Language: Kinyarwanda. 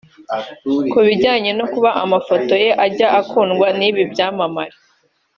Ku bijyanye no kuba amafoto ye ajya akundwa n’ibi byamamare